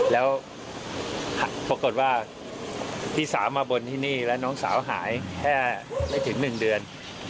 แล้วปรากฏว่าพี่สาวมาบนที่นี่แล้วน้องสาวหายแค่ไม่ถึง๑เดือน